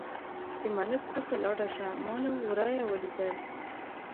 د ملک کور ته لاړه شه، ما له ورايه ولیدل.